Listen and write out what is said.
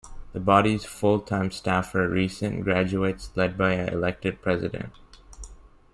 The body's full-time staff are recent graduates led by an elected President.